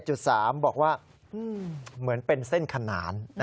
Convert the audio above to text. บอกว่าเหมือนเป็นเส้นขนาน